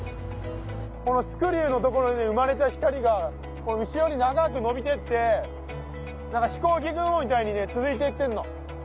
このスクリューの所で生まれた光が後ろに長く伸びてって何か飛行機雲みたいにね続いていってんの。